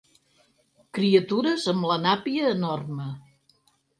Criatures amb la nàpia enorme.